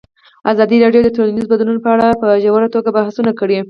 ازادي راډیو د ټولنیز بدلون په اړه په ژوره توګه بحثونه کړي.